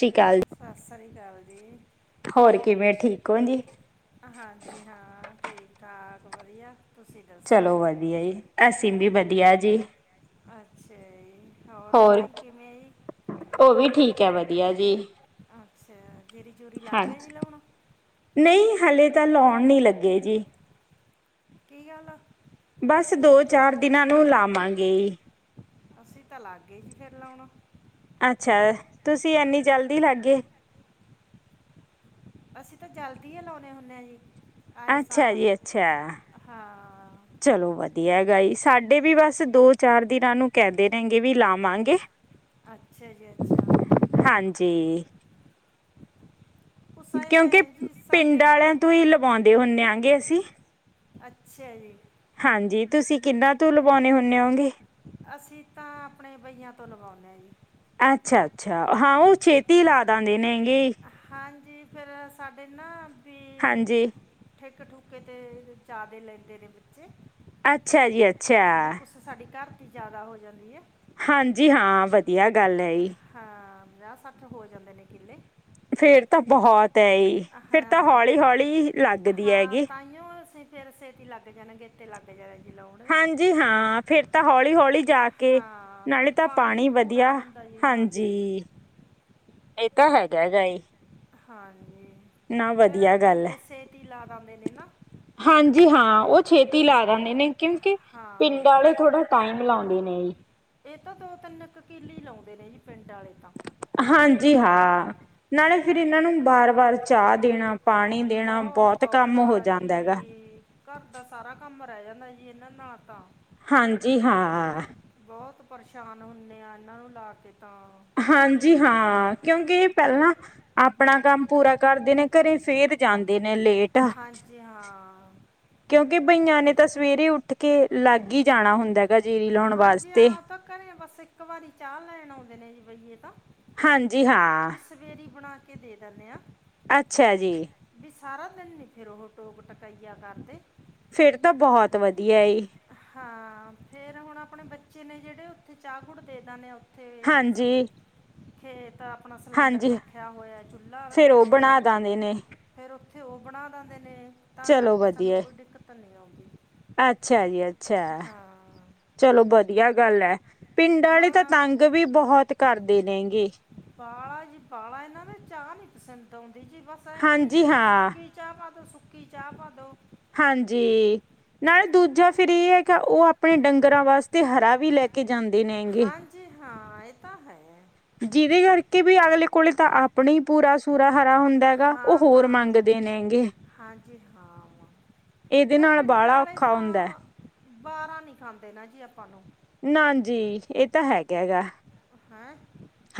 ਠੀਕ ਹਾਲ। ਸਤਿ ਸ੍ਰੀ ਅਕਾਲ ਜੀ। ਹੋਰ ਕਿਵੇਂ ਠੀਕ ਹੋ ਜੀ। ਹਾਂਜੀ ਹਾਂ ਠੀਕ ਠਾਕ ਵਧੀਆ। ਤੁਸੀਂ ਦੱਸੋ ਚਲੋ ਵਧੀਆ ਅਸੀ ਵੀ ਵਧੀਆ ਜੀ। ਅੱਛਾ ਈ ਹੋਰ ਭਾਈ ਕਿਵੇਂ। ਉਹ ਵੀ ਠੀਕ ਹੈ ਵਧੀਆ ਜੀ। ਅੱਛਾ ਜੀਰੀ ਜੂਰੀ ਲਗ ਗਈ ਹਾਂਜੀ ਲਾਉਣ। ਨਹੀਂ ਹਾਲੇ ਤਾਂ ਲਾਉਣ ਨਹੀਂ ਲੱਗੇ ਜੀ। ਕੀ ਹਾਲ ਆ। ਬਸ ਦੋ ਚਾਰ ਦਿਨਾਂ ਨੂੰ ਲਾਵਾਂਗੇ। ਅਸੀਂ ਤਾਂ ਲਾਗੇ ਫੇਰ ਲਾਉਣਾ। ਅੱਛਾ ਤੁਸੀਂ ਐੰਨੀ ਜਲਦੀ ਲੱਗ ਗਏ। ਅਸੀਂ ਤਾਂ ਜਲਦੀ ਏ ਲਾਉਣੇ ਹੁੰਨੇ ਜੀ ਆਏ ਸਾਲ ਅੱਛਾ ਜੀ ਅੱਛਾ ਹਾਂ। ਚਲੋ ਵਧੀਆ ਹੈਗਾ ਏ ਸਾਡੇ ਵੀ ਬਸ ਦੋ ਚਾਰ ਦਿਨਾਂ ਨੂੰ ਕਹਿੰਦੇ ਨੇ ਗੇ ਵੇ ਲਾਵਾਂਗੇ। ਅੱਛਾ ਜੀ ਅੱਛਾ। ਹਾਂਜੀ। ਉਹ ਕਿਉਕਿ ਸਾਹਿਬ ਜੀ ਸਾਡੇ ਪਿੰਡ ਵਾਲਿਆਂ ਤੋਂ ਹੀ ਲਵਾਉਂਦੇ ਹੁੰਦੇ ਆ ਗੇ ਅਸੀਂ। ਅੱਛਾ ਜੀ। ਹਾਂਜੀ ਤੁਸੀਂ ਕਿੰਨਾ ਤੂੰ ਲਵਾਉਂਣੇ ਹੁੰਦੇ ਹੋਗੇ? ਅਸੀਂ ਤਾਂ ਆਪਣੇ ਬਈਆਂ ਤੋਂ ਲਵਾਉਦੇ ਹਾਂ ਜੀ। ਅੱਛਾ ਅੱਛਾ ਹਾਂ ਉਹ ਛੇਤੀ ਲਾ ਦਿੰਦੇ ਨੇ ਗੇ। ਹਾਂਜੀ ਫੇਰ ਸਾਡੇ ਨਾ ਵੀ। ਹਾਂਜੀ। ਠੇਕੇ ਠੂੁਕੇ ਤੇ ਜ਼ਿਆਦੇ ਲੈਂਦੇ ਨੇ ਬੱਚੇ। ਅੱਛਾ ਜੀ ਅੱਛਾ। ਸਾਡੇ ਘਰ ਦੀ ਜ਼ਿਆਦਾ ਹੋ ਜਾਂਦੀ ਏ। ਹਾਂਜੀ ਹਾਂ ਵਧੀਆ ਗੱਲ ਹੈ ਈ। ਹਾਂ ਪੰਜਾਹ ਸੱਠ ਹੋ ਜਾਂਦੇ ਨੇ ਕਿਲੈ। ਫੇਰ ਤਾਂ ਬਹੁਤ ਅਹੀ ਫੇਰ ਤਾਂ ਹਾਂ ਹੌਲੀ ਹੌਲੀ ਲੱਗਦੀ ਹੈਗੀ। ਤੇ ਹੋਰ ਫਿਰ ਸੇਤੀ ਲਗ ਜਾਣਗੇ। ਤੇ ਲਾਗੇ ਜਾਏਗੀ ਲਾਉਣ। ਦੇ ਹਾਂਜੀ ਹਾਂ ਫੇਰ ਤਾਂ ਹੌਲੀ ਹੌਲੀ ਜਾ ਕੇ ਹਾਂ ਨਾਲੇ ਫਿਰ ਪਾਣੀ ਨੀ ਪੂਰਾ ਹੁੰਦਾ ਜੀ ਹਾਂਜੀ। ਇਹ ਤਾਂ ਹੈਗਾ ਜਾਈ। ਹਾਂਜੀ ਫੇਰ ਵਧੀਆ ਗੱਲ ਹੈ ਬਈਏ ਸੇਟੀ ਲਾ ਲੈਂਦੇ। ਹਾਂਜੀ ਹਾਂ ਉਹ ਛੇਤੀ ਲਾ ਰਹਨੇ ਨੇ ਕਿਉਂਕਿ ਹਾਂ ਪਿੰਡ ਵਾਲੇ ਥੋੜਾ ਟਾਈਮ ਲਾਉਂਦੇ ਨੇ। ਇਹ ਤਾਂ ਦੋ ਤਿੰਨ ਕ ਕਿਲੇ ਲਾਉਂਦੇ ਨੇ ਪਿੰਡ ਆਲੈ ਤਾਂ। ਹਾਂਜੀ ਹਾ ਨਾਲੇ ਫਿਰ ਇਹਨਾਂ ਨੂੰ ਵਾਰ ਵਾਰ ਚਾਹ ਦੇਣਾ ਪਾਣੀ ਦੇਣਾ ਬਹੌਤ ਬਹੁਤ ਕੰਮ ਔਖਾ ਹੋ ਜਾਂਦਾ ਹੈਗਾ। ਜੀ। ਘਰ ਦਾ ਸਾਰਾ ਕੰਮ ਰਹਿ ਜਾਂਦਾ ਜੀ ਇਹਨਾਂ ਨਾਲ ਤਾਂ। ਹਾਂਜੀ ਹਾਂ। ਬਹੁਤ ਪਰੇਸ਼ਾਨ ਹੁੰਦੇ ਆ ਇਹਨਾਂ ਨੂੰ ਲਾ ਕੇ ਤਾਂ। ਹਾਂਜੀ ਹਾਂ ਕਿਉਂਕਿ ਇਹ ਪਹਿਲਾਂ ਆਪਣਾ ਕੰਮ ਪੂਰਾ ਕਰਦੇ ਨੇ ਘਰੇ ਫੇਰ। ਜਾਂਦੇ ਨੇ ਲੇਟ ਆ। ਹਾਂਜੀ ਹਾਂ ਕਿਉਂਕਿ ਬਈਆਂ ਨੇ ਤਾਂ ਸਵੇਰੇ ਉੱਠ ਕੇ ਲੱਗ ਹੀ ਜਾਣਾ ਹੁੰਦਾ। ਹੈਗਾ ਜੀਰੀ ਲਾਉਣ ਹਾਂਜੀ ਆ ਵਾਸਤੇ। ਤਾਂ ਘਰੇ ਬਸ ਇੱਕ ਵਾਰੀ ਚਾਹ ਲੈਣ ਆਉਂਦੇ ਨੇ ਜੀ ਬਹੀਏ ਤਾਂ। ਹਾਂਜੀ ਹਾਂ। ਵੀ ਸਵੇਰੀ ਬਣਾ ਕੇ ਦੇ ਦੇਣੇ ਆ। ਅੱਛਾ ਜੀ। ਵੀ ਸਾਰਾ ਦਿਨ ਨੀ ਫੇਰ ਉਹ ਟੋਕ ਟੋਕਾਈਆ ਕਰਦੇ। ਫੇਰ ਤਾਂ ਬਹੋਤ ਵਧੀਆ ਇਹ। ਹਾਂ ਫੇਰ ਹੁਣ ਆਪਣੇ ਬੱਚੇ ਨੇ ਜੇਹੜੇ, ਉੱਥੇ ਚਾਹ ਗੁੜ ਦੇ ਦੇਨੇ ਆਂ ਕਿੱਥੇ ਹਾਂਜੀ-ਹਾਂਜੀ। [unintelligible] ਖੇਤ ਆਪਣਾ ਸਿਲੰਡਰ ਰੱਖਿਆ ਹੋਇਆ ਏ, ਚੁੱਲਾ ਫੇਰ ਉਹ ਰੱਖਿਆ ਬਣਾ ਹੋਇਆ। ਦਾਂਦੇ ਨੇ, ਫਿਰ ਉੱਥੇ ਉਹ ਬਣਾ ਦੇਂਦੇ ਨੇ, ਤਾਂ ਚਲੋ ਕਰਕੇ ਸਾਨੂੰ ਵਧੀਆ, ਕੋਈ ਦਿੱਕਤ ਨਹੀਂ ਆਉਂਦੀ। ਅੱਛਾ ਜੀ ਅੱਛਾ, ਹਾਂ ਚਲੋ ਬਧ ਵਧੀਆ ਗੱਲ ਐ, ਪਿੰਡਾਂ ਹਾਂ ਆਲੇ ਤਾਂ ਹਾਂ ਤੰਗ ਵੀ ਬਹੋਤ ਕਰਦੇ ਨੇ ਗੇ। ਬਾਲਾ ਜੀ ਬਾਲਾ, ਏਹਨਾਂ ਨੇ ਚਾਹ ਨੀ ਪਸੰਦ ਆਉਂਦੀ ਜੀ, ਬਸ ਐ ਕਹੀ ਹਾਂਜੀ ਜਾਂਦੇ ਨੇ ਹਾਂ ਸੁੱਕੀ ਚਾਹ ਪਾਦੋ ਸੁੱਕੀ, ਚਾਹ ਪਾਦੋ। ਹਾਂਜੀ, ਨਾਲੇ ਦੂਜਾ ਅ- ਫਿਰ ਇਹ ਹੈ ਕਿ, ਉਹ ਆਪਣੇ ਡੰਗਰਾਂ ਵਾਸਤੇ ਹਰਾ ਵੀ ਲੈ ਕੇ ਜਾਂਦੇ ਨੇ ਹੈਗੇ। ਜੀ ਹਾਂ, ਐ ਤਾਂ ਹੈ। ਜਿਅਦੇ ਕਰਕੇ ਵੀ ਅਗਲੇ ਕੋਲੇ ਤਾਂ ਆ ਪਣੇ ਈ ਪੂਰਾ ਸੂਰਾ ਹਰਾ ਹੁੰਦਾ ਹੈਗਾ, ਉਹ ਹਾਂ ਹੋਰ ਹਾਂ ਮੰਗਦੇ ਨੇ ਹੈਗੇ। ਹਾਂਜੀ ਹਾਂ। ਏਅਦੇ ਨਾਲ ਬਾਲ੍ਹਾ ਔਖਾ ਹੁੰਦਾ। ਬਾਹਰਾਂ ਨੀ ਖਾਂਦੇ ਨਾ ਜੀ ਆਪਾਂ ਨੂੰ। ਨਾਂਜੀ, ਏਹ ਤਾਂ ਹੈਗਾ ਗਾ। ਹੈ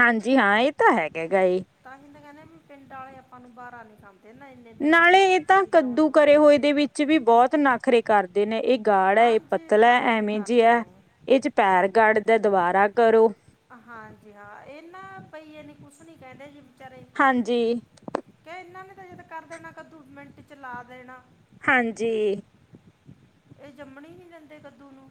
ਹਾਂਜੀ ਹਾਂ, ਇਹ ਤਾਂ ਹੈ ਗਾ ਗਾਏ। ਤਾਂ ਹੀ ਤੇ ਕਹਿੰਦੇ ਵੀ ਪਿੰਡ ਆਲੇ ਆਪਾਂ ਨੂੰ ਬਾਹਰਾ ਨੀ ਖਾ ਦੇਨਾ ਇੰਨੇ ਦਿਨਾਂ ਨਾਲੇ ਵਿੱਚ ਏਹ ਤਾਂ ਜੀਰੀ ਲਾਉਣ ਕੱਦੂ ਕਰੇ ਵਾਲੇ ਹੋਏ ਦੇ ਵਿੱਚ ਵੀ ਬਹੁਤ ਨਾਖਰੇ ਕਰ ਦੇ ਨੇ, ਏਹ ਗਾੜ ਹੈ, ਇਹ ਹਾਂਜੀ ਪਤਲਾ ਐ, ਹਾਂਜੀ ਐਵੇਂ ਕਰਦੇ ਜੇਆ ਐ। ਨੇ ਇਹ ਚ ਪੈਰ ਗੜਦਾ, ਦੁਬਾਰਾ ਕਰੋ। ਹਾਂਜੀ ਹਾਂ, ਇਹ ਨਾ ਭਈਏ ਨੇ, ਕੁਛ ਨੀ ਕਹਿੰਦੇ ਜੀ ਬਿਚਾਰੇ ਹਾਂਜੀ ਕੇ ਇਹਨਾਂ ਨੇ ਤਾਂ ਜਦ ਕਰ ਦੇਣਾ ਕਦੂ, ਮਿੰਟ ਚ ਲਾ ਦੇਣਾ। ਹਾਂਜੀ। ਏਹ ਜੰਮਣ ਈ ਨੀ ਦਿੰਦੇ ਕੱਦੂ ਨੂੰ।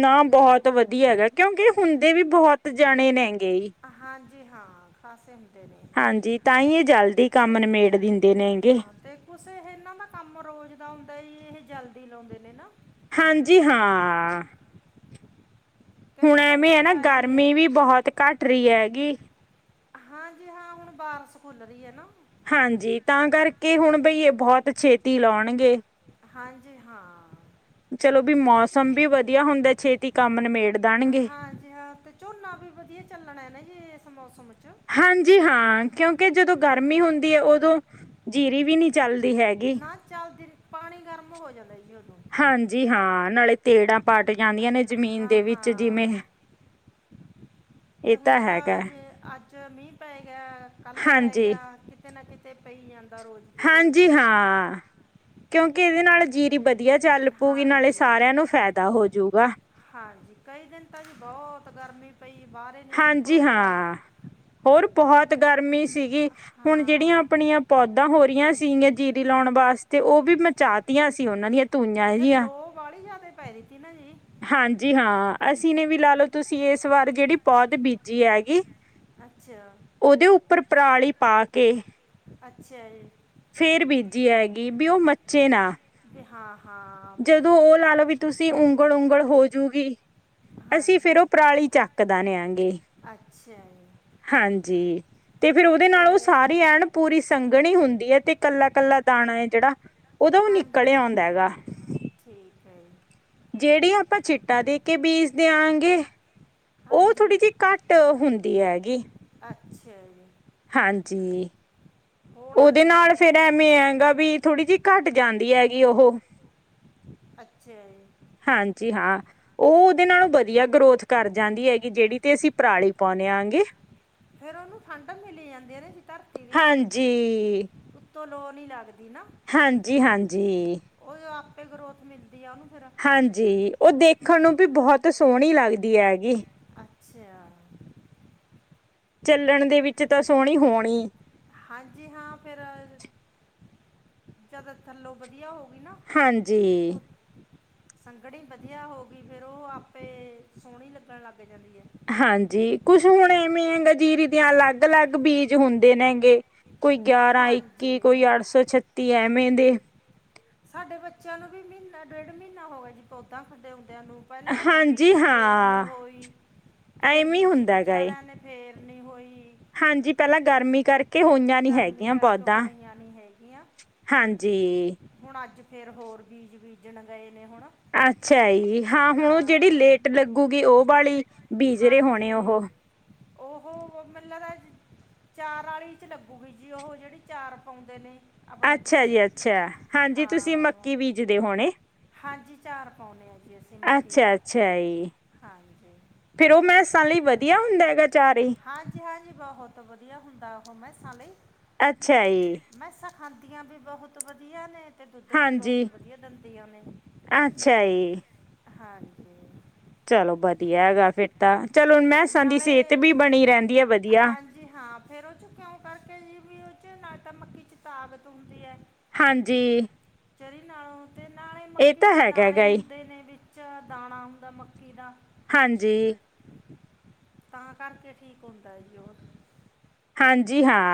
ਨਾ ਬਹੋਤ ਵਧੀਆ ਹੈਗਾ, ਕਿਉਂਕਿ ਹੁੰਦੇ ਵੀ ਬਹੋਤ ਜਾਣੇ ਨੇ ਗੇ ਈ। ਹਾਂਜੀ ਹਾਂ। ਫ਼ਸੇ ਹੁੰਦੇ ਨੇ। ਇਹ ਹਾਂਜੀ, ਤਾਂ ਈ ਏਹ ਜਲਦੀ ਕੰਮ ਨਿਮੇੜ ਦਿੰਦੇ ਨੇ ਹੈਗੇ। ਕੁਸ ਇਹਨਾਂ ਦਾ ਕੰਮ ਰੋਜ਼ ਦਾ ਹੁੰਦਾ, ਇਹਏ ਜਲਦੀ ਲਾਉਂਦੇ ਨੇ ਨਾ। ਹਾਂਜੀ ਹਾਂ। ਹੁਣ ਇਹਨਾਂ ਦਾ ਐਵੇਂ ਹੈ ਨਾ, ਕਿੱਤਾ ਇਹੀ ਹੈ ਗਰਮੀ ਵੀ ਬਹੋਤ ਘੱਟ ਰਈ ਹੈਗੀ। ਹਾਂਜੀ ਹਾਂ ਹੁਣ ਬਾਰਸ ਕੂਲ ਰਹੀ ਏ ਨਾ। ਹਾਂਜੀ, ਤਾਂ ਕਰਕੇ ਹੁਣ ਬਈਏ ਬਹੋਤ ਛੇਤੀ ਲਾਉਣਗੇ। ਹਾਂਜੀ ਹਾਂ। ਚਲੋ ਬੀ ਮੌਸਮ ਵੀ ਵਧੀਆ ਹੁੰਦਾ, ਛੇਤੀ ਕੰਮ ਨਿਮੇੜ ਦੇਣਗੇ। ਅੱ ਤੇ ਝੋਨਾ ਵੀ ਵਧੀਆ ਚੱਲਣਾ ਹੈ ਨਾ ਜੀ, ਇਸ ਮੌਸਮ ਚ? ਹਾਂਜੀ ਹਾਂ, ਕਿਉਂਕਿ ਜਦੋਂ ਗਰਮੀ ਹੁੰਦੀ ਏ ਉਦੋਂ, ਜੀਰੀ ਵੀ ਨਈ ਚੱਲਦੀ ਹੈਗੀ। ਨਾ ਚੱਲਦੀ, ਪਾਣੀ ਗਰਮ ਹੋ ਜਾਂਦਾ ਜੀ ਉਡੋਂ। ਹਾਂਜੀ ਹਾਂ, ਨਾਲੇ ਤੇੜਾਂ ਪਾਟ ਜਾਂਦੀਆਂ ਨੇ, ਅ- ਜ਼ਮੀਨ ਹਾਂ ਦੇ ਵਿੱਚ ਜਿਵੇਂ। ਹਾਂ ਤੇ ਇਹ ਹੁਣ ਤਾਂ ਹੈਗਾ ਜੇ ਅੱਜ ਮੀਂਹ ਪੈ ਗਿਆ ਕੱਲ ਪੈ ਹਾਂਜੀ ਗਿਆ, ਕਿਤੇ ਨਾ ਕਿਤੇ ਪਈ ਜਾਂ ਹਾਂਜੀ ਹਾਂ। ਕਿਉਂਕਿ ਇਹਦੇ ਨਾਲ ਜੀਰੀ ਵਧੀਆ ਚੱਲ ਪਊਗੀ ਨਾਲੇ ਹਾਂਜੀ ਸਾਰਿਆਂ ਨੂੰ ਫਾਇਦਾ ਹੋਜੂਗਾ। ਹਾਂਜੀ ਕਈ ਦਿਨ ਤਾਂ ਜੀ ਬਹੁਤ ਗਰਮੀ। ਪਈ ਬਾਰ ਹਾਂਜੀ ਹਾਂ ਹੋਰ ਬਹੁਤ ਗਰਮੀ ਸੀਗੀ। ਹੁਣ ਜਿਹੜੀਆਂ ਹਾਂ ਆਪਣੀਆਂ ਪੌਦਾ ਹੋ ਰਹੀਆਂ ਸੀਗੀਆਂ ਜੀਰੀ ਲਾਉਣ ਵਾਸਤੇ ਉਹ ਵੀ ਮਚਾ। ਤੀਆਂ ਸੀ ਉਹਨਾਂ ਦੀਆਂ ਧੂਈਆਂ ਇਹ ਜਿਹੀਆਂ [inaudible] ਬਾਹਲੀ ਜ਼ਿਆਦਾ ਪੈ ਰਹੀ ਤੀ ਨਾ ਜੀ। ਹਾਂਜੀ ਹਾਂ ਅਸੀਂ ਨੇ ਵੀ ਲਾ ਲਓ ਤੁਸੀਂ ਇਸ ਵਾਰ ਜਿਹੜੀ ਪੌਤ ਬੀਜੀ ਹੈਗੀ। ਅੱਛਾ ਉਹਦੇ ਉੱਪਰ ਪਰਾਲੀ ਪਾ ਕੇ। ਚਾਰ [inaudible] ਫੇਰ ਬੀਜੀ ਹੈਗੀ ਵੀ ਉਹ ਮੱਚੇ ਨਾ। ਜੀ ਹਾਂ। ਹਾਂ ਵੀ- ਜਦੋਂ ਉਹ ਲਾ ਲਓ ਵੀ ਤੁਸੀਂ ਉਂਗਲ ਉਂਗਲ ਹੋਜੂਗੀ। ਅਸੀਂ ਫਿਰ ਹਾਂਜੀ ਉਹ ਪਰਾਲੀ ਚੱਕਦਾ ਨਿਆਂਗੇ ਅੱਛਾ ਜੀ ਹਾਂਜੀ। ਤੇ ਫੇਰ ਉਹਦੇ ਨਾਲ ਉਹ ਤੇ ਸਾਰੀ ਐਨ ਪੂਰੀ ਸੰਘਣੀ ਹੁੰਦੀ ਐ ਤੇ ਕੱਲਾ ਕੱਲਾ ਦਾਣਾ ਏ ਜਿਹੜਾ। ਉਹਦਾ ਉਹ ਹਾਂਜੀ ਨਿਕਲਿਆ ਆਉਂਦਾ ਹੈਗਾ। ਠੀਕ ਹੈ ਜੀ। ਜਿਹੜੀ ਆਪਾਂ ਚਿੱਟਾ ਦੇ ਕੇ ਬੀਜ ਦੇ ਆਗੇ। ਉਹ ਥੋੜ੍ਹੀ ਹਾਂਜੀ ਜਿਹੀ ਘੱਟ ਹੁੰਦੀ ਹੈਗੀ। ਅੱਛਾ ਜੀ। ਹਾਂਜੀ। ਹੋਣਾ ਜੀ ਉਹਦੇ ਨਾਲ ਫਰਕ ਫੇਰ ਐਵੇਂ ਹੈਗਾ ਵੀ ਥੋੜ੍ਹੀ ਜਿਹੀ ਘੱਟ ਜਾਂਦੀ ਹੈਗੀ। ਉਹੋ ਅੱਛਾ ਜੀ। ਹਾਂਜੀ ਹਾਂ, ਉਹ ਦੇ ਨਾਲੋਂ ਵਧੀਆ ਗਰੋਥ ਕਰ ਜਾਂਦੀ ਹੈਗੀ, ਜਿਹੜੀ ਤੇ ਅਸੀਂ ਪਰਾਲੀ ਪਾਉਂਦੇ ਆਗੇ। ਫੇਰ ਉਹਨੂੰ ਠੰਡ ਮਿਲੀ ਜਾਂਦੀ ਆਂ ਨੇ ਧਰਤੀ ਦੀ ਜੀ। ਉੱਤੋਂ ਲੋ ਨੀ ਲੱਗਦੀ ਨਾ। ਹਾਂਜੀ, ਹਾਂਜੀ। ਉਹ ਆਪੇ ਗਰੋਥ ਮਿਲਦੀ ਆ ਉਹਨੂੰ ਫੇਰ ਹਾਂਜੀ ਉਹ ਦੇਖਣ ਨੂੰ ਵੀ ਬਹੁਤ ਸੋਹਣੀ ਲੱਗਦੀ ਹੈਗੀ। ਅੱਛਾ। ਚੱਲਣ ਦੇ ਵਿੱਚ ਤਾਂ ਸੋਹਣੀ ਹੋਣੀ। ਹਾਂਜੀ ਹਾਂ ਫਿਰ ਜਦ ਥੱਲੋਂ ਵਧੀਆ ਹੋ ਗਈ। ਹਾਂਜੀ। ਸੰਘਣੀ ਵਧੀਆ ਹੋ ਗਈ ਫੇਰ ਉਹ ਆਪੇ ਸੋਹਣੀ ਲੱਗਣ ਲੱਗ ਜਾਂਦੀ ਹੈ। ਹਾਂਜੀ ਕੁਛ ਹੁਣ ਐਵੇਂ ਹੈ ਗ ਜੀਰੀ ਦੀਆਂ ਅਲੱਗ ਅਲੱਗ ਬੀਜ ਹੁੰਦੇ ਨੇ ਹੈਗੇ ਕੋਈ ਹੈ ਗਿਆਰਾਂ ਇੱਕੀ ਹਾਂਜੀ ਕੋਈ ਅੱਠ ਸੌ ਛੱਤੀ ਐਵੇਂ ਦੇ। ਸਾਡੇ ਬੱਚਿਆਂ ਨੂੰ ਵੀ ਮਹੀਨਾ ਡੇਢ ਮਹੀਨਾ ਹੋ ਗਿਆ ਜੀ ਪੌਦਾ ਖਡੇ ਆਉਂਦਿਆਂ ਨੂੰ। ਪਹਿਲਾਂ ਹਾਂਜੀ ਬੀਜੀ ਫੇਰ ਨਹੀਂ ਹਾਂ। ਹੋਈ ਫੇਰ ਐਵੇਂ ਬੀਜੀ ਹੁੰਦਾ ਹੈਗਾ ਏ ਵਿਚਾਰਿਆਂ ਨੇ। ਫੇਲ ਨਹੀਂ ਹੋਈ। ਹਾਂਜੀ ਪਹਿਲਾਂ ਗਰਮੀ ਕਰਕੇ ਕਿ ਹੋਈਆਂ ਨੀ ਗਰਮੀ ਹੈਗੀਆਂ ਕਰਕੇ ਪੌਦਾ ਹੋਈਆਂ ਨਹੀਂ ਹੈਗੀਆਂ ਹਾਂਜੀ। ਹੁਣ ਅੱਜ ਫੇਰ ਹੋਰ ਬੀਜ ਬੀਜਣ ਗਏ ਨੇ ਹੁਣ। ਅੱਛਾ ਜੀ, ਹਾਂ ਹੁਣ ਉਹ ਜਿਹੜੀ ਹਾਂ ਲੇਟ ਲੱਗੂਗੀ ਉਹ ਵਾਲੀ ਬੀਜ ਰਹੇ ਹੋਣੇ ਹਾਂਜੀ ਉਹੋ। ਉਹ ਮਤਲਬ ਚਾਰ ਆਲੀ ਲੱਗੂਗੀ ਜੀ ਉਹ ਜਿਹੜੀ ਚਾਰ ਪਾਉਂਦੇ ਨੇ। ਆਪਣੇ ਅੱਛਾ ਬੱਚੇ ਜੀ ਅੱਛਾ, ਹਾਂਜੀ ਤੁਸੀਂ ਹਾਂ ਮੱਕੀ ਬੀਜਦੇ ਹੋਣੇ। ਹਾਂਜੀ ਚਾਰ ਪਾਉਂਦੇ ਹਾਂ ਜੀ, ਅਸੀਂ ਮੱਕੀ ਅੱਛਾ ਦਾ ਹਾਂਜੀ। ਫੇਰ ਉਹ ਮੈਂਸਾਂ ਲਈ ਵਧੀਆ ਹੁੰਦਾ ਹੈਗਾ ਚਾਰੇ ਹੀ। ਹਾਂਜੀ-ਹਾਂਜੀ, ਬੋਹਤ ਵਦੀਆ ਹੁੰਦਾ ਓਹ ਮੈਸਾਂ ਲਈ। ਅੱਛਾ ਜੀ। ਮੈਂਸਾ ਖਾਂਦੀਆਂ ਵੀ ਬੋਹਤ ਵਦੀਆ ਨੇ। ਤੇ ਦੁੱਧ ਵੀ ਬੋਹਤ ਹਾਂਜੀ ਵਦੀਆ ਦੰਦੀ ਆ ਨੇ, ਅੱਛਾ ਜੀ ਹਾਂਜੀ। ਚਲੋ ਬਦੀਆ ਗਾ ਫੇਰ ਤਾਂ, ਚਲੋ ਹੁਣ ਮੈਂਸਾਂ ਦੀ ਨਾਲੇ ਸੇਤ ਵੀ ਬਣੀ ਰੈਂਦੀ ਆ ਵਦੀਆ। ਹਾਂਜੀ ਹਾਂ, ਫੇਰ ਓ ਚੋ ਕੇਉਂ ਕਾਰਕੇ ਜੀ ਵੀ ਓਚ ਨਾਲ਼ ਤਾਂ ਮੱਕੀ ਚ ਤਾਕਤ ਹੁੰਦੀ ਐ। ਹਾਂਜੀ। ਚਰੀ ਨਾਲੋ਼, ਤੇ ਨਾਲੇ਼ ਇਹ ਮੱਕੀ ਤਾਂ ਦੇ ਹੈਗਾ ਦਾਣੇ ਗਾ ਜੀ ਹੁੰਦੇ ਨੇ ਵਿੱਚ ਦਾਣਾ ਹੁੰਦਾ ਮੱਕੀ ਦਾ। ਹਾਂਜੀ। ਕਾਰਕੇ ਠੀਕ ਹੁੰਦਾ ਏ ਜੀ ਓਰ। ਹਾਂਜੀ ਹਾਂ।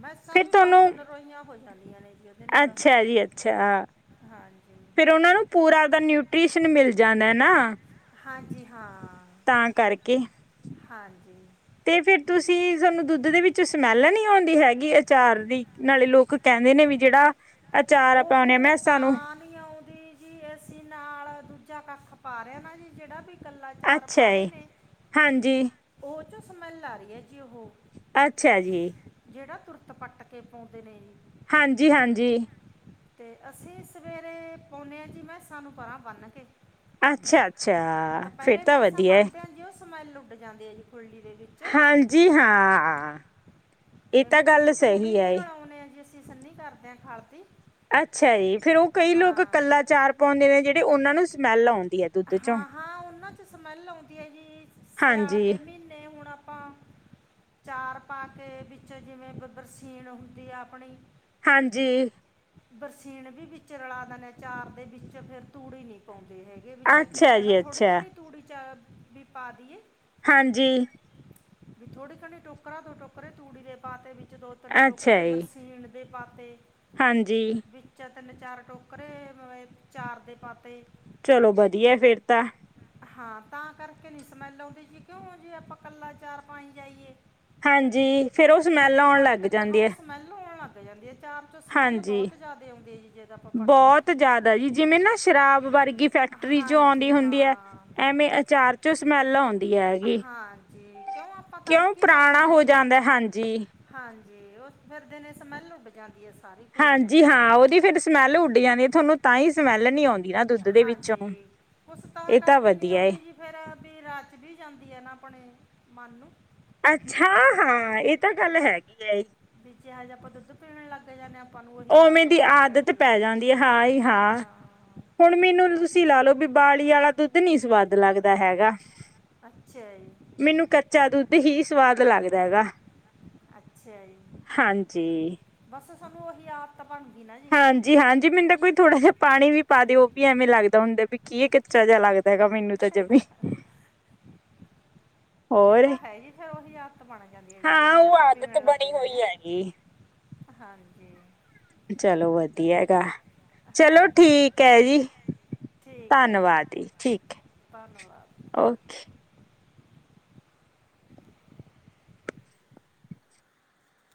ਮੈਸਾਂ ਫਿਰ ਵੀ ਬੋਹਤ ਤੁਹਾਨੂੰ ਨਰੋਈਆਂ ਹੋ ਜਾਂਦੀਆਂ ਨੇ ਗੀਆਂ। ਅੱਛਾ ਜੀ, ਅੱਛਾ। ਹਾਂਜੀ। ਫੇਰ ਓਨਾ ਨੂੰ ਪੂਰਾ ਓਦਾ ਨਿਊਟ੍ਰੀਸ਼ਨ ਮਿਲ ਜਾਨਾ ਨਾ। ਹਾਂਜੀ, ਹਾਂ। ਤਾਂ ਕਾਰਕੇ। ਹਾਂਜੀ। ਤੇ ਫੇਰ ਤੁਸੀਂ, ਸਾਨੂੰ ਦੁੱਦ ਦੇ ਵਿੱਚੋ ਸਮੈਲ ਨੀ ਔਂਦੀ ਹੈਗੀ ਏ? ਚਾਰਨੀ ਨਾਲੇ਼ ਲੋਕ ਕੈਂਦੇ ਨੇ ਵੀ ਜੇੜਾ, ਅਚਾਰ ਪਾਨੇ ਆ, ਮੈਸਾ ਨੂੰ। ਨੀ ਆਉਂਦੀ ਜੀ, ਏਸੀ ਨਾਲ਼ ਦੂਜਾ ਕੱਖ ਪਾ ਰੇ ਆ ਨਾ ਜੀ ਜੇੜਾ ਬੀ ਅੱਛਾ ਜੀ, ਹਾਂਜੀ। ਓ ਚੋ ਸਮੈੱਲ ਆਰੀ ਆ ਜੀ ਓਹ। ਅੱਛਾ ਜੀ। ਜੇੜਾ ਤੁਰਤ ਪੱਟ ਕੇ ਪਾਉਂਦੇ ਨੇ ਜੀ ਹਾਂਜੀ-ਹਾਂਜੀ। ਤੇ ਅਸੀਂ ਸਵੇਰੇ, ਪਾਉਂਨੇ ਆਂ ਜੀ ਮੈਸਾ ਨੂੰ ਪਰਾਂ ਬੰਨ੍ਹ ਕੇ। ਅੱਛਾ-ਅੱਛਾ, ਫੇਰ ਤਾਂ ਵਦੀਆ ਏ। ਹਾਂਜੀ, ਓ ਸਮੈਲ ਨੂੰ ਲ ਜਾਂਦੇ ਆ ਜੀ ਖੂਰਲੀ ਦੇ ਵਿੱਚ। ਹਾਂਜੀ, ਹਾਂ। ਇਹ ਤੇ ਤਾਂ ਹੁਣ ਵਿੱਚ ਗੱਲ ਤੂੜੀ ਸਹੀ ਹੈ ਵੀ ਰਲਾ਼ਓਨੇ ਆ ਜੀ, ਅਸੀਂ ਸੰਨੀ ਕਾਰਦੇ ਆਂ ਖਾਤ ਦੀ। ਅੱਛਾ ਜੀ, ਫੇਰ ਓ ਕਈ ਲੋਕ ਕੱਲਾ ਚਾਰ ਪਾਂਓਦੇ ਨੇ ਜੇੜੇ ਓਨਾਂ ਨੂੰ ਸਮੈਲ ਆਉਂਦੀ ਆਂ। ਹਾ-ਹਾਂ ਓਨਾਂ ਚੋ ਸਮੈਲ ਆਉਂਦੀ ਆ ਜੀ, ਸੇਆਲ਼ ਹਾਂਜੀ ਦੇ ਮ੍ਹੀਨੇ ਹੁਣ ਆਪਾਂ ਚਾਰ ਪਾ ਕੇ, ਬਿੱਚ ਜਿਵੇਂ ਬਬਰਸੀਣ ਹੁੰਦੀ ਆ ਆਪਣੀ ਹਾਂਜੀ। ਬਰਸੀਣ ਵੀ ਬਿੱਚ ਰਲਾ਼ ਦਨੇ ਆ, ਚਾਰ ਦੇ ਬਿੱਚ ਫੇਰ ਤੂੜੀ ਹੀ ਨੀ ਪਾਓਂਦੇ ਹੈਗੇ। ਏ ਬਿੱਚ ਕੀ ਅੱਛਾ ਕੈਣਾ ਜੀ ਥੋੜੀ ਅੱਛਾ ਕਣੀ ਤੂੜੀ ਚ, ਬੀ ਪਾਦੀਏ। ਹਾਂਜੀ। ਬੀ ਥੋੜੀ ਕਨੀ ਟੋਕਰਾਂ ਦੋ ਟੋਕਰੇ ਤੂੜੀ ਦੇ ਪਾਕੇ ਬਿੱਚ ਦੋ-ਤਿੰਨ ਅੱਛਾ ਟੋਕਰੇ ਜੀ ਬਰਸੀਣ ਦੇ ਪਾਤੇ ਹਾਂਜੀ। ਬਿੱਚ ਤੇਨ-ਚਾਰ ਟੋਕਰੇ ਮ ਚਾਰ ਦੇ ਪਾਤੇ। ਚਲੋ ਬਦੀਐ ਫੇਰ ਤਾਂ। ਹਾਂ ਤਾਂ ਕਾਰਕੇ ਨੀ ਸਮੈਲ ਆਉਂਦੀ ਜੀ, ਕੇਓ ਜੇਓਂ ਆਪਾਂ ਕੱਲਾ ਚਾਰ ਪਾਈ ਜਾਈਏ। ਹਾਂਜੀ। ਫੇਰ ਉਹ ਸਮੈਲ ਤੁਰਤ ਆਉਣ ਪਾੱਟ ਲੱਗ ਕੇ ਜਾਂਦੀ ਹੌ ਹੈ ਸਮੈਲ ਆਉਣ ਲੱਗ ਜਾਂਦੀ ਆ ਚਾਰ ਚੋਂ ਸਮੈਲ ਹਾਂਜੀ, ਬਹੁਤ ਜ਼ਿਆਦਾ ਆਉਂਦੀ ਹੈ ਜੀ ਜੇ ਤਾਂ ਆਪਾਂ ਪੱਟਦੇ ਹਾਂ ਬੋਤ ਜਾਦਾ ਜੀ, ਜਿਮੇਂ ਨਾ ਸ਼ਰਾਬ ਵਾਰਗੀ ਫੈਕਟਰੀ ਚੋਂ ਹਾਂਜੀ ਆਉਂਦੀ ਹੋਂਦੀ ਆ, ਹਾਂ ਐਮੇ ਅਚਾਰ ਚੋਂ ਸਮੈਲ ਆਉਂਦੀ ਆ ਹੈਗੀ। ਹਾਂਜੀ। ਕਿਉਂ ਆਪਾਂ ਕਿਂਉਂ? ਤੜਕੀ ਪਾ ਪੁਰਾਣਾ ਦੇਣਾ ਹੈ ਹੋ ਜੀ ਜਾਂਦਾ ਹਾਂਜੀ। ਹਾਂਜੀ, ਉਹ ਫਿਰ ਦਿਨੇ ਸਮੈਲ ਉੱਡ ਜਾਂਦੀ ਆਂ ਸੀ। ਹਾਂਜੀ-ਹਾਂ, ਉਹਦੀ ਫਿਰ ਸਮੈਲ ਉੱਡ ਜਾਂਦੀ, ਥੋਨੂੰ ਤਾਂ ਹੀ ਸਮੈਲ ਨਹੀਂ ਆਉਂਦੀ ਨਾ, ਦੁੱਧ ਦੇ ਵਿੱਚੋ। ਕੁਛ ਤਾਂ ਕਰਕੇ ਨਹੀਂ ਆਉਂਦੀ ਜੀ, ਫਿਰ ਵੀ ਰਚ ਵੀ ਜਾਂਦੀ ਹੈ ਨਾ ਆਪਣੇ ਮਨ ਨੂੰ। ਅੱ--ਹਾਂ-ਹਾਂ, ਇਹ ਤਾਂ ਗੱਲ ਹੈਗੀਆ, ਏ। ਵਿੱਚੇ, ਜਿਹਾ ਜਾ, ਆਪਾਂ ਦੁੱਧ ਪੀਣ ਲੱਗ ਜਾਂਦੇ ਹਾਂ। ਆਪਾਂ ਨੂੰ ਉਹੀ ਓਵੇਂ ਆਦਤ ਦੀ ਬਣ ਆਦਤ ਜਾਂਦੀ ਹੈ ਪੈ ਜਾਂਦੀ ਆ, ਹਾ, ਹੀ, ਹਾਂ। ਹੁਣ ਉਹਨਾਂ ਮੈਨੂੰ ਦੀ ਤੁਸੀਂ ਆਦਤ ਲਾਲੋੋ, ਬੀ ਉਬਾਲੀ ਵਾਲਾ ਦੁੱਧ ਨੀ ਸਵਾਦ ਲੱਗਦਾ ਹੈਗਾ। ਅੱਛਾ ਜੀ। ਮੀਨੂੰ ਕੱਚਾ ਦੁੱਧ ਹੀ, ਸਵਾਦ ਲੱਗਦਾ ਹੈਗਾ। ਅੱਛਾ ਜੀ। ਹਾਂਜੀ। ਬਸ, ਸਾਨੂੰ ਉਹੀ ਆਦਤ ਬਣ ਗਈ ਨਾ। ਜੀ ਹਾਂਜੀ-ਹਾਂਜੀ, ਮੈਨੂੰ ਤਾ ਕੋਈ ਥੋੜ੍ਹਾ ਜਿਹਾ ਪਾਣੀ ਵੀ ਪਾਦੇ ਉਹ ਵੀ ਐਵੇਂ ਲੱਗਦਾ ਹੁੰਦਾ ਵੀ ਕੀਏ, ਕੱਚਾ ਜਿਹਾ ਲੱਗਦਾ ਹੈਗਾ ਮੈਨੂੰ ਤੇ। ਜਮੀ ਇਹ ਹੋਰ ਤਾ ਹੈਹੀ, ਫੇਰ ਉਹੀ ਆਦਤ ਬਣ ਜਾਂਦੀ ਹੈ, ਹਾਂ ਜੇਹੀ ਜਾ ਉਹ ਆਪਾਂ ਆਦਤ ਪੀਣ ਲੱਗ ਬਣੀ ਜਾਂਦੇ ਹਾਂ। ਹੋਈ ਹੈਗੀ ਹਾਂਜੀ। ਚਲੋ ਵਧੀਆ ਗਾ, ਚਲੋ, ਹਾਂਜੀ ਠੀਕ ਹੈ ਜੀ। ਠੀਕ ਹੈ ਧੰਨਵਾਦ ਜੀ, ਠੀਕ ਏ। ਧੰਨਵਾਦ। ਓਕੇ।